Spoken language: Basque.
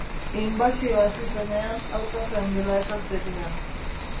Inbasioa hasi zenean, aurka zeundela esan zenidan.